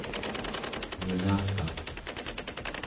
nunaka